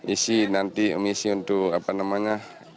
isi nanti emisi untuk apa namanya